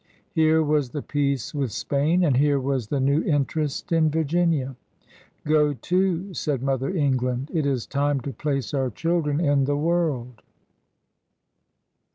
Here was the peace with Spain, and here was the new interest in Virginia. *^Go to!'' said Mother England. ''It is time to place our children in the world!"